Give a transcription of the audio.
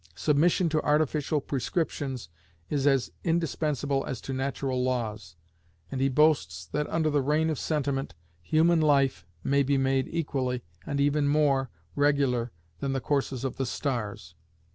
Submission to artificial prescriptions is as indispensable as to natural laws, and he boasts that under the reign of sentiment, human life may be made equally, and even more, regular than the courses of the stars.